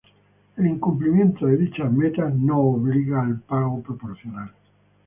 El incumplimiento de dichas metas no obliga al pago Proporcional.